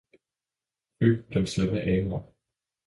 Fy, den slemme Amor!